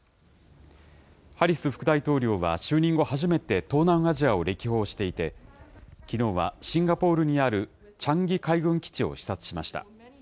ハリス副大統領は就任後初めて、東南アジアを歴訪していて、きのうはシンガポールにあるチャンギ海軍基地を視察しました。